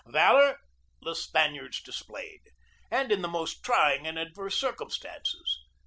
Valor the Spaniards displayed, and in the most trying and adverse cir cumstances.